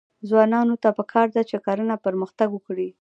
ځوانانو ته پکار ده چې، کرنه پرمختګ ورکړي.